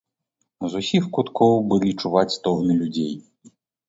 З усіх куткоў былі чуваць стогны людзей.